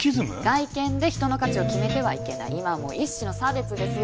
外見で人の価値を決めてはいけない今はもう一種の差別ですよ